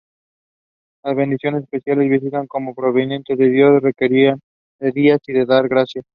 Las bendiciones especiales, vistas como provenientes de Dios, requerían de días de dar gracias.